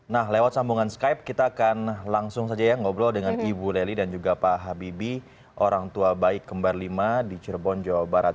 nah lewat sambungan skype kita akan langsung saja ya ngobrol dengan ibu leli dan juga pak habibie orang tua baik kembar lima di cirebon jawa barat